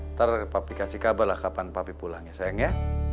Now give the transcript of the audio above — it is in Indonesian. ntar papi kasih kabar lah kapan papi pulang ya sayang ya